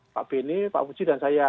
pak beni pak muji dan saya